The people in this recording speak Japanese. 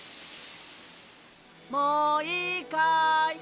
もういいかい？